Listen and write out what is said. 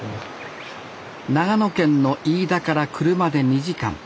長野県の飯田から車で２時間。